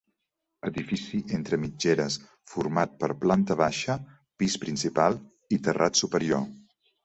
Edifici entre mitgeres format per planta baixa, pis principal i terrat superior.